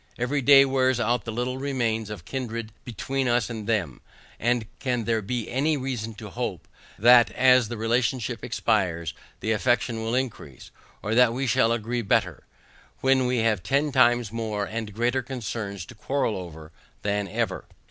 Every day wears out the little remains of kindred between us and them, and can there be any reason to hope, that as the relationship expires, the affection will increase, or that we shall agree better, when we have ten times more and greater concerns to quarrel over than ever?